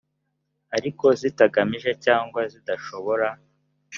ariko zitagamije cyangwa zidashobora